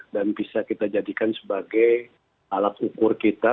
dan bisa kita jadikan sebagai alat ukur kita